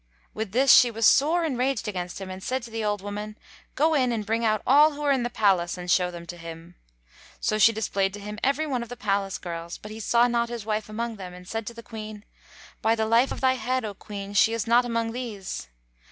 With this she was sore enraged against him and said to the old woman, "Go in and bring out all who are in the palace and show them to him." So she displayed to him every one of the palace girls, but he saw not his wife among them and said to the Queen, "By the life of thy head, O Queen, she is not among these."